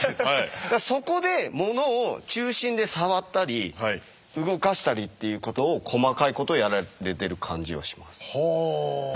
そこで物を中心で触ったり動かしたりっていうことを細かいことをやられてる感じはします。